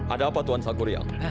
ada apa tuan salgurian